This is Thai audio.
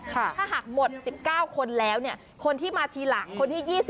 ถ้าหากหมด๑๙คนแล้วคนที่มาทีหลังคนที่๒๐